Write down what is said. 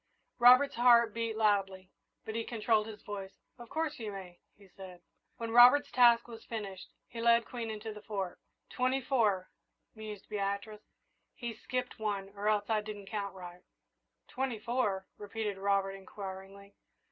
Robert's heart beat loudly, but he controlled his voice. "Of course you may," he said. When Ronald's task was finished, he led Queen into the Fort. "Twenty four," mused Beatrice. "He's skipped one, or else I didn't count right." "Twenty four?" repeated Robert, inquiringly.